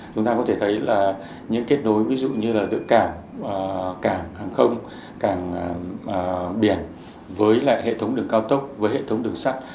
chúng ta có thể thấy là những kết nối ví dụ như là giữa cảng cảng hàng không cảng biển với lại hệ thống đường cao tốc với hệ thống đường sắt